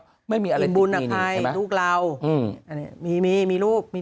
ทำไมทุกครั้งที่แม่เอานมช็อกโกแลตมาป้อนทำไมทุกครั้งที่แม่เอาขนมมาให้ลูกกิน